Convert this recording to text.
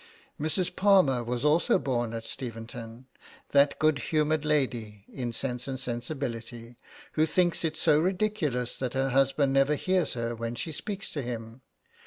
Mrs. Palmer was also born at Steventon that good humoured lady in 'Sense and Sensibility,' who thinks it so ridiculous that her husband never hears her when she speaks to him.